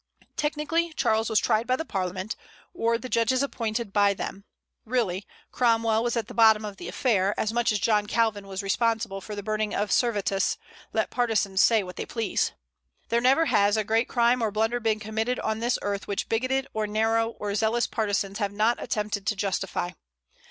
Technically, Charles was tried by the Parliament, or the judges appointed by them; really, Cromwell was at the bottom of the affair, as much as John Calvin was responsible for the burning of Servetus, let partisans say what they please. There never has a great crime or blunder been committed on this earth which bigoted, or narrow, or zealous partisans have not attempted to justify.